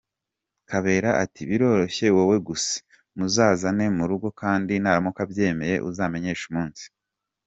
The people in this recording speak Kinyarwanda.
Kabera ati biroroshye wowe gusa muzazane mu rugo kandi naramuka abyemeye uzamenyeshe umunsi.